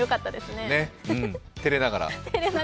うん、照れながら。